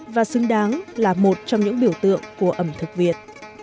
và xứng đáng là một trong những biểu tượng của ẩm thực việt